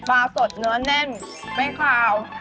ปลาสดเนื้อแน่นไม่คาว